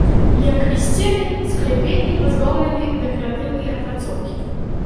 Як і сцены, скляпенні пазбаўлены дэкаратыўнай апрацоўкі.